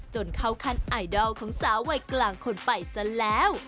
จนเข้าขั้นไอดอลของสาววัยกลางคนไปซะแล้ว